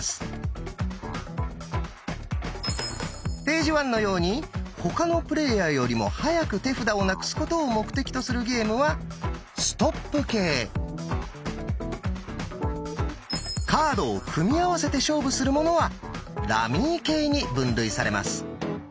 ページワンのように他のプレイヤーよりも早く手札をなくすことを目的とするゲームはカードを組み合せて勝負するものはラミー系に分類されます。